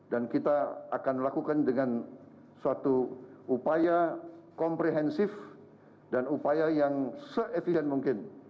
dan kita akan melakukan dengan suatu upaya komprehensif dan upaya yang se efficient mungkin